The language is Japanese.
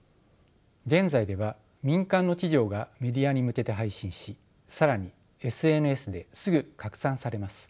現在では民間の企業がメディアに向けて配信し更にＳＮＳですぐ拡散されます。